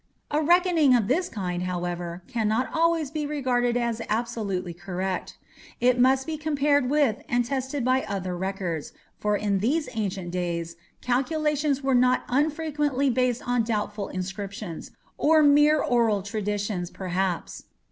A reckoning of this kind, however, cannot always be regarded as absolutely correct. It must be compared with and tested by other records, for in these ancient days calculations were not unfrequently based on doubtful inscriptions, or mere oral traditions, perhaps.